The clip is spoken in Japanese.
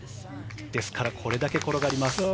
ですから、これだけ転がります。